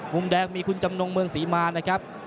มุมแดงมีคุณจำนงเมืองศรีมานะครับ